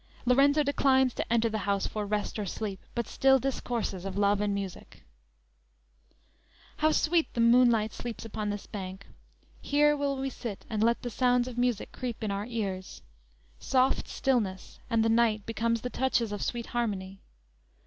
"_ Lorenzo declines to enter the house for rest or sleep, but still discourses of love and music: _"How sweet the moonlight sleeps upon this bank! Here will we sit and let the sounds of music Creep in our ears; soft stillness, and the night, Become the touches of sweet harmony.